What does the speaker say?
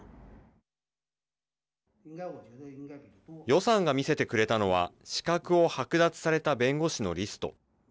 余さんが見せてくれたのは資格を剥奪された弁護士のリスト。